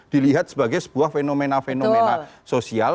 dilihat sebagai sebuah fenomena fenomena sosial